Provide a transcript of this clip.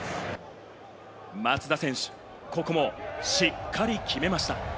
松田選手、ここもしっかり決めました。